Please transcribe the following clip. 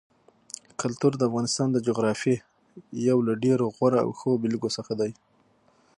کلتور د افغانستان د جغرافیې یو له ډېرو غوره او ښو بېلګو څخه دی.